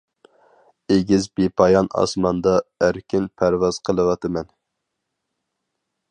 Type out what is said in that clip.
ئېگىز بىپايان ئاسماندا ئەركىن پەرۋاز قىلىۋاتىمەن.